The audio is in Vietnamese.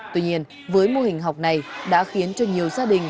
tuy nhiên với mô hình học này đã khiến cho nhiều gia đình